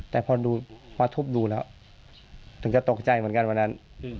แต่พอทุบดูแล้วถึงจะตกใจเหมือนกันวันนั้น